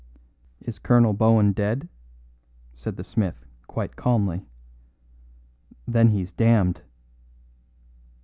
"Is Colonel Bohun dead?" said the smith quite calmly. "Then he's damned."